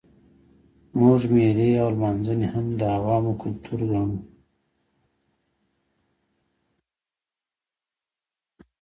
موږ مېلې او لمانځنې هم د عوامو کلتور ګڼو.